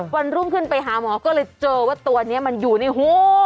วันรุ่งขึ้นไปหาหมอก็เลยเจอว่าตัวนี้มันอยู่ในหู